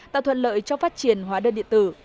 tạo thuận lợi cho phát triển hóa đơn điện tử